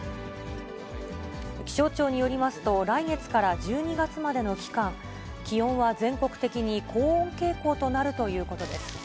気象庁によりますと、来月から１２月までの期間、気温は全国的に高温傾向となるということです。